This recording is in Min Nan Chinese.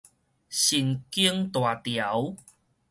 神經大條